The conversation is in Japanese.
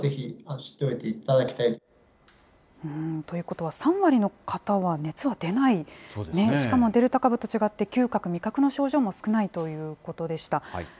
ということは、３割の方は熱は出ない、しかもデルタ株と違って、嗅覚、味覚の症状も少ないということでした。